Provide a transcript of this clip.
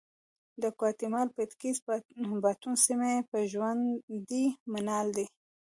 د ګواتیمالا پټېکس باټون سیمه یې یو ژوندی مثال دی